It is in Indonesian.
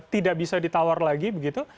tidak bisa ditawar lagi begitu